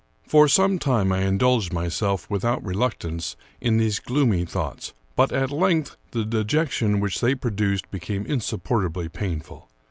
For some time I indulged myself, without reluctance, in these gloomy thoughts; but at length the dejection which they produced became insupportably painful.